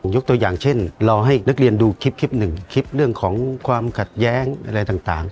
ยกตัวอย่างเช่นรอให้นักเรียนดูคลิปหนึ่งคลิปเรื่องของความขัดแย้งอะไรต่าง